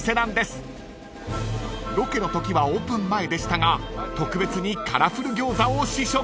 ［ロケのときはオープン前でしたが特別にカラフル餃子を試食］